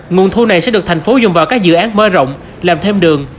nguồn thu này sẽ được thành phố dùng vào các dự án mở rộng làm thêm đường